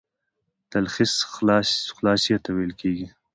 تلخیص خلاصې ته ويل کیږي.